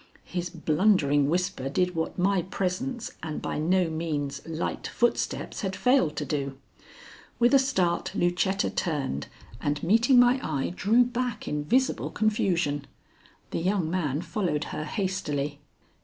His blundering whisper did what my presence and by no means light footsteps had failed to do. With a start Lucetta turned and, meeting my eye, drew back in visible confusion. The young man followed her hastily.